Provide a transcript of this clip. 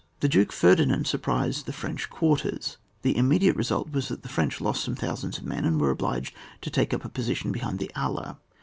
The Duke Ferdinand surprised the French quarters ; the immediate re sult was that the French lost some thou sands of men, and were obliged to take up a position behind the AUer.